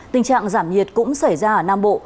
tình trạng giảm nhiệt cũng xảy ra ở nam bộ